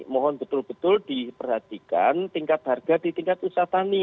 mohon betul betul diperhatikan tingkat harga di tingkat usaha tani